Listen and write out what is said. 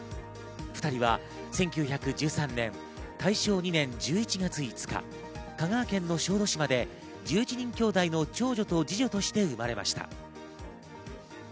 ２人は１９１３年、大正２年１１月５日、香川県の小豆島で１１人きょうだいの長女と二女として生まれました。